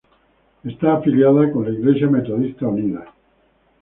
Está afiliada con la Iglesia Metodista Unida.